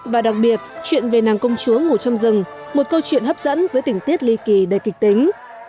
và đặc biệt chuyện về nàng công chúa ngủ trong rừng một câu chuyện hấp dẫn với tỉnh tiết ly kỳ đầy kịch tính